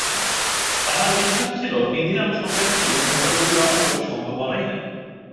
তাঁহার বিশ্বাস ছিল নিধিরাম সঙ্গে থাকিলে নৌকা ডুবিবার কোনো সম্ভাবনাই নাই।